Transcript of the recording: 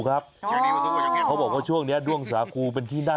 อะไร